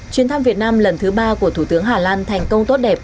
chuyến thăm việt nam lần thứ ba của thủ tướng hà lan thành công tốt đẹp